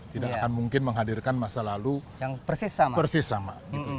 tidak akan mungkin menghadirkan masa lalu yang persis sama